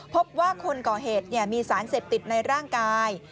พบว่าคนก่อเหตุมีสารเสพติดในร่างกาย